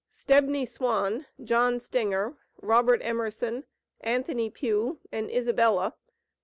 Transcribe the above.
Stebney Swan, John Stinger, Robert Emerson, Anthony Pugh and Isabella